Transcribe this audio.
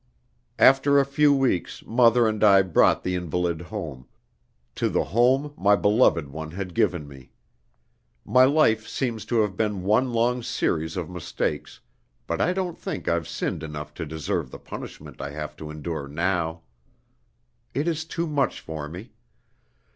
After a few weeks, mother and I brought the invalid home to the home my beloved one had given me! My life seems to have been one long series of mistakes, but I don't think I've sinned enough to deserve the punishment I have to endure now. It is too much for me.